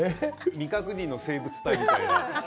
未確認の生物体みたいな。